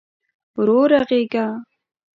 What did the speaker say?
ورو ږغېږه !